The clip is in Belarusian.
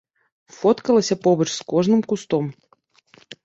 Фоткалася побач з кожным кустом.